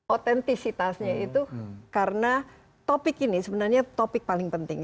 otentisitasnya itu karena topik ini sebenarnya topik paling penting